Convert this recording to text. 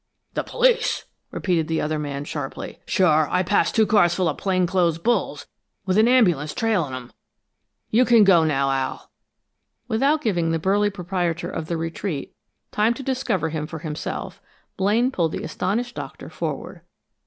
"The police!" repeated the other man, sharply. "Sure, I passed two cars full of plain clothes bulls, with an ambulance trailing them! You can go now, Al." Without giving the burly proprietor of the retreat time to discover him for himself, Blaine pulled the astonished Doctor forward.